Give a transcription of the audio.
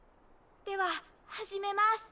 では始めます。